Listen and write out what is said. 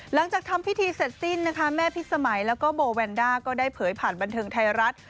หลังจากทำพิธีเสร็จสิ้นนะคะแม่พิษสมัยแล้วก็โบแวนด้าก็ได้เผยผ่านบันเทิงไทยรัฐ